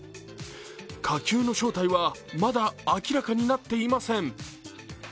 火球の正体はまだ明らかになっていません。